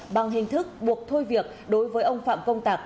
bằng hình thức buộc thôi việc đối với ông phạm công tạc